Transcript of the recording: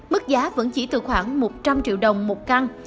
mức giá vẫn chỉ từ khoảng một trăm linh triệu đồng một căn